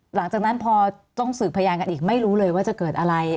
หลังจากนั้นพอต้องสืบพยานกันอีกไม่รู้เลยว่าจะเกิดอะไร